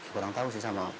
kurang tau sih sama polisi